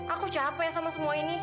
aku capek sama semua ini